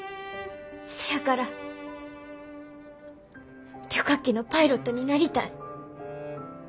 せやから旅客機のパイロットになりたい。